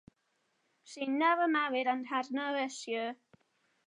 She never married and had no issue.